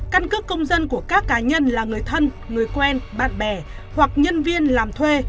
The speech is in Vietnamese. căn cước công dân của các cá nhân là người thân người quen bạn bè hoặc nhân viên làm thuê